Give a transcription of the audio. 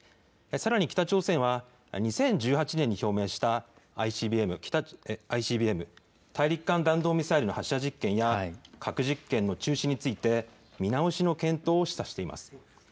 さらに、北朝鮮は２０１８年に表明した、ＩＣＢＭ・大陸間弾道ミサイルの発射実験や、核実験の中止について、見直しの検討を示唆しています。